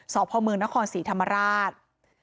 สพมนครศรีธรรมราช